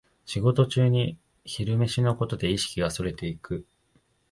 仕事中に昼飯のことで意識がそれていく